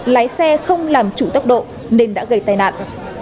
làm chủ tốc độ nên đã gây tai nạn